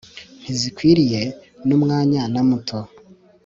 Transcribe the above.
ntizikwiriye numwanya na muto